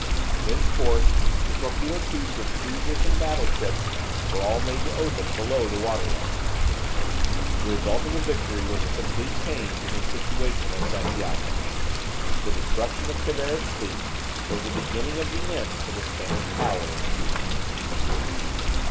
Henceforth the torpedo tubes of cruisers and battleships were all made to open below the water line. The result of the victory was a complete change in the situation at Santiago. The destruction of Cervera's fleet was the "beginning of the end" for the Spanish power in Cuba.